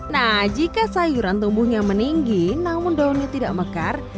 nah jika sayuran tumbuhnya meninggi namun daunnya tidak mekar